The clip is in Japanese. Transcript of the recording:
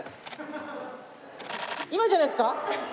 今じゃないですか？